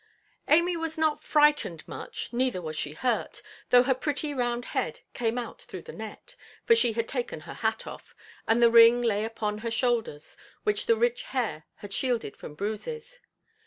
Amy was not frightened much, neither was she hurt, though her pretty round head came out through the net—for she had taken her hat off—and the ring lay upon her shoulders, which the rich hair had shielded from bruises.